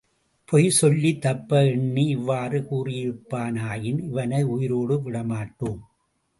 பொய் சொல்லித் தப்ப எண்ணி இவ்வாறு கூறியிருப்பானாயின் இவனை உயிரோடு விடமாட்டோம்.